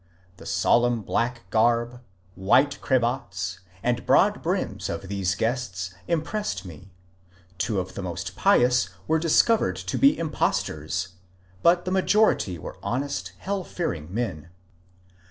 The solemn black garb, white cravats, and broad brims of these guests impressed me ; two of the most pious were discovered to be impostors, but the majority were honest, hell fearing men.